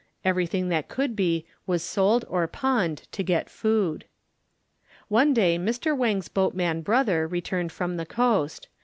Everything that could be was sold or pawned to get food. One day Mr. Wang's boatman brother returned from the coast.